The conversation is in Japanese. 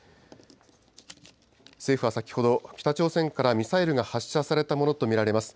政府は先ほど、北朝鮮からミサイルが発射されたものと見られます。